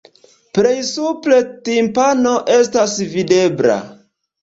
Plej supre timpano estas videbla.